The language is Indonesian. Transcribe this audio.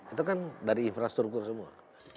itu kan dari infrastruktur semua